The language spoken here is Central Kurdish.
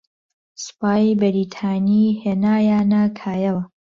سوپای بەریتانی ھێنایانە کایەوە